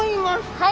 はい！